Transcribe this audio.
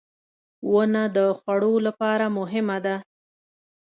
• ونه د خوړو لپاره مهمه ده.